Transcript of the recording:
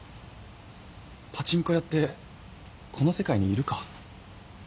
パチンコ屋ってこの世界にいるか？